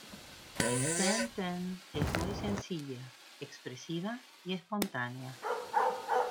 Tenten es muy sencilla, expresiva y espontánea.